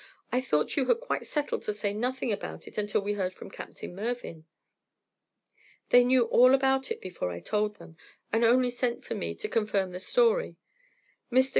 "I thought you had quite settled to say nothing about it until we heard from Captain Mervyn." "They knew all about it before I told them, and only sent for me to confirm the story. Mr.